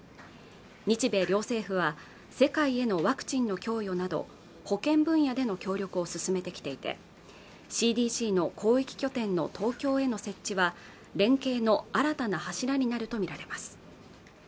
日米両政府は世界へのワクチンの供与など保健分野での協力を進めてきていてＣＤＣの広域拠点の東京への設置は連携の新たな柱になると見られます